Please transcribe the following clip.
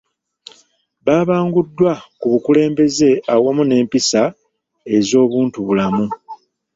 Babanguddwa ku bukulembeze awamu n'empisa ez'obuntubulamu